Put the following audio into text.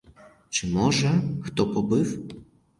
Чи, може, хто побив?